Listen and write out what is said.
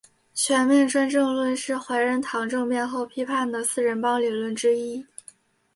全面专政论是怀仁堂政变后批判的四人帮理论之一。